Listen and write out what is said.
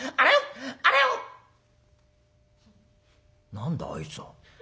「何だあいつは？